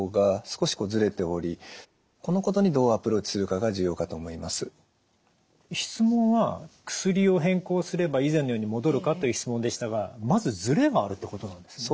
この方の場合質問は「薬を変更すれば以前のように戻るか？」という質問でしたがまずずれがあるってことなんですね？